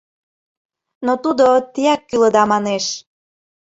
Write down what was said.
Но тудо теак кӱлыда манеш.